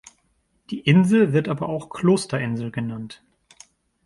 Die Insel wird aber auch „Klosterinsel“ genannt.